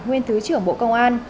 nguyên thứ trưởng bộ công an